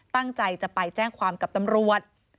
ตั้งใจจะไปแจ้งความกับตำรวจ